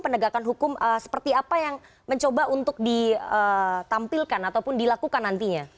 penegakan hukum seperti apa yang mencoba untuk ditampilkan ataupun dilakukan nantinya